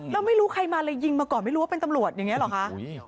แล้วไม่รู้ใครมาเลยยิงมาก่อนไม่รู้ว่าเป็นตำรวจอย่างนี้เหรอคะ